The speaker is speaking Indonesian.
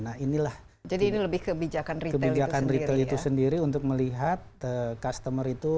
nah inilah kebijakan retail itu sendiri untuk melihat customer itu